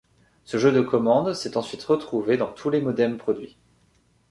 Ce jeu de commandes s'est ensuite retrouvé dans tous les modems produits.